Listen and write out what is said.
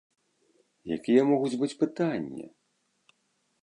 Якія могуць быць пытанні?